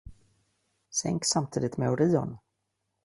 Sänkt samtidigt med Orion